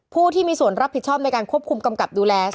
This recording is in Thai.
ผู้ที่มีส่วนรับผิดชอบในการควบคุมกำกับดูแล